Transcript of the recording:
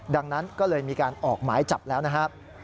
ดังนั้นก็เลยมีการออกหมายจับแล้วนะครับ